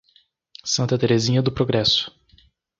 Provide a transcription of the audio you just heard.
Santa Terezinha do Progresso